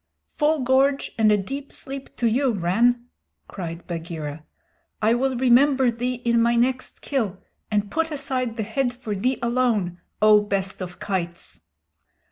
"Full gorge and a deep sleep to you, Rann," cried Bagheera. "I will remember thee in my next kill, and put aside the head for thee alone, O best of kites!"